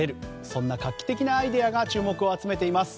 そんな画期的なアイデアが注目を集めています。